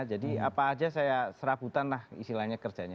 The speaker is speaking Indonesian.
jadi apa aja saya serabutan lah istilahnya kerjanya